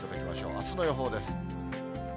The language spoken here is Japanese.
あすの予報です。